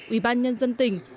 uỷ ban nhân dân tỉnh